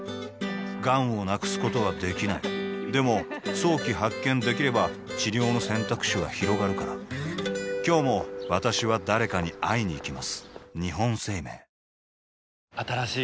がんを無くすことはできないでも早期発見できれば治療の選択肢はひろがるから今日も私は誰かに会いにいきます